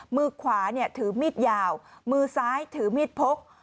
มือขวาถือมีดยาวมือซ้ายถือมีดพก